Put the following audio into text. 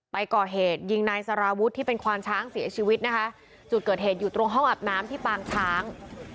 ก่อเหตุยิงนายสารวุฒิที่เป็นควานช้างเสียชีวิตนะคะจุดเกิดเหตุอยู่ตรงห้องอาบน้ำที่ปางช้าง